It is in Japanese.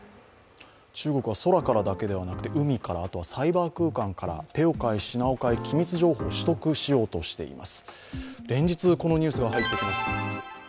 中国は空からだけではなくて海から、またサイバー空間から手を変え品を変え機密情報を取得しようとしています。